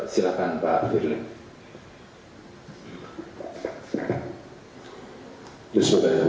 silakan pak peruli